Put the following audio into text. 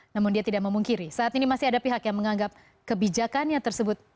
namun dia tidak memungkiri saat ini masih ada pihak yang menganggap kebijakannya tersebut